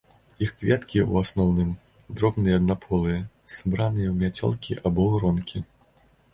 Іх кветкі, у асноўным, дробныя аднаполыя, сабраныя ў мяцёлкі або гронкі.